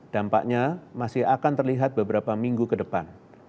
dampaknya masih akan terlihat beberapa minggu ke depan